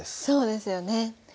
そうですよね。